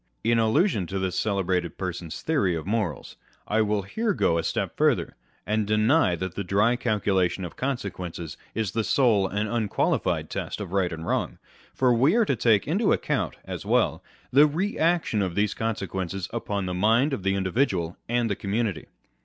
In allusion to this celebrated person's theory of morals, I will here go a step farther, and deny that the dry calcu lation of consequences is the sole and unqualified test of right and wrong ; for we are to take into the account (as well) the re action of these consequences upon the mind of the individual and the community.